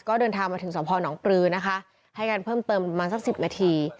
ก็เดินทางมาถึงสพนปลือนะคะให้การเพิ่มเติมประมาณสัก๑๐นาที